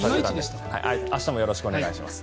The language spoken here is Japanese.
明日もよろしくお願いします。